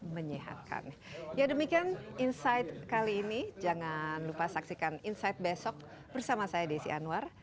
menyehatkan ya demikian insight kali ini jangan lupa saksikan insight besok bersama saya desi anwar